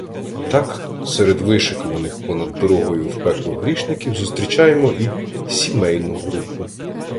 Так, серед вишикуваних понад дорогою в пекло грішників зустрічаємо і "сімейну групу".